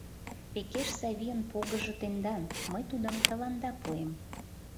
Пекеш Савийын погыжо тендан, мый тудым тыланда пуэм.